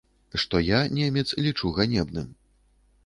Што я, немец, лічу ганебным.